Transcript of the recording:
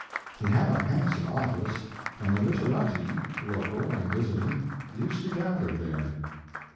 He had a handsome office, and the literati, local and visiting, used to gather there.